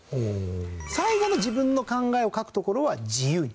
最後の自分の考えを書くところは自由に。